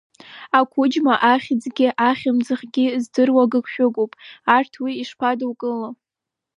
Ақәыџьма ахьӡгьы ахьымӡӷгьы здыруа гыгшәыгуп, арҭ уи ишԥадукыло?!